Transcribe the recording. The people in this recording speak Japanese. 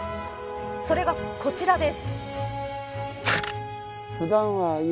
それが、こちらです。